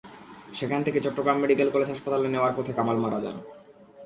সেখান থেকে Chittagong medical college হাসপাতালে নেওয়ার পথে কামাল মারা যান।